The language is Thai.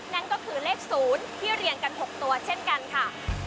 นั่นก็คือเลข๐ที่เรียงกัน๖ตัวเช่นกันค่ะ